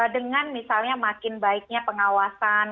dengan misalnya makin baiknya pengawasan